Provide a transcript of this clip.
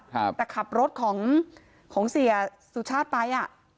แต่ขับรถของเศรษฐ์สุชาติไป